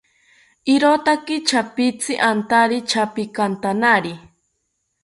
Irotaki chapitzi antari chapikantanari